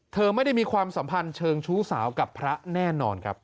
เธอไม่ได้มีความสัมพันธ์เชิงชู้สาวกับพระแน่นอนครับ